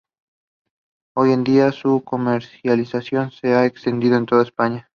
Hoy en día, su comercialización se ha extendido por toda España.